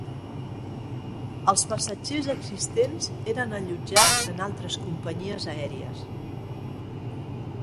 Els passatgers existents eren allotjats en altres companyies aèries.